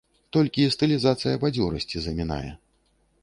Толькі стылізацыя бадзёрасці замінае.